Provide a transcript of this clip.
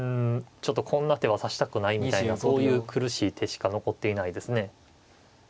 ちょっとこんな手は指したくないみたいなそういう苦しい手しか残っていないですね。